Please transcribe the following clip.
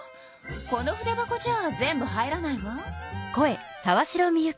この筆箱じゃあ全部入らないわ。